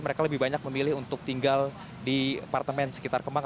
mereka lebih banyak memilih untuk tinggal di apartemen sekitar kemang